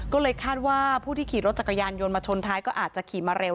ก็เลยคาดว่าผู้ที่ขี่รถจักรยานยนต์มาชนท้ายก็อาจจะขี่มาเร็ว